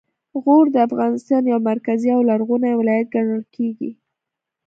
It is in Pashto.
غور د افغانستان یو مرکزي او لرغونی ولایت ګڼل کیږي